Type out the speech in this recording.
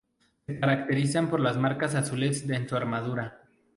Se caracterizan por las marcas azules en su armadura.